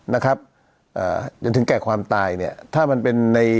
นะครับอ่าจนถึงแก่ความตายเนี่ยถ้ามันเป็นใน